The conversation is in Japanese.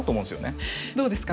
どうですか？